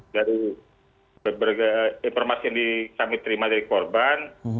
dari beberapa informasi yang kami terima dari korban